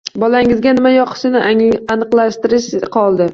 Bolangizga nima yoqishini aniqlashtirish qoldi.